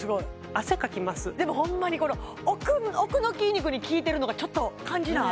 汗かきますでもホンマに奥の筋肉にきいてるのがちょっと感じない？